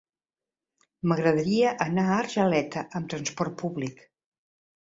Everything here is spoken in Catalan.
M'agradaria anar a Argeleta amb transport públic.